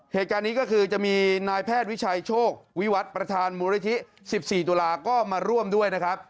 เหตุการณ์นี้ก็คือจะมีนายแพทย์วิชัยโชควิวัตรประธานมูลนิธิ๑๔ตุลาก็มาร่วมด้วยนะครับ